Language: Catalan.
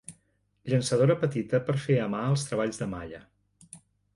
Llançadora petita per fer a mà els treballs de malla.